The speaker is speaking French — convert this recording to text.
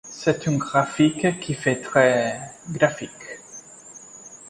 C’est un graphique qui fait très… graphique.